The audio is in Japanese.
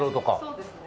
そうですね。